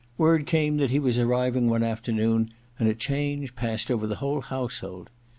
Word came that he was arriv ing one afternoon, and a change passed over the whole household.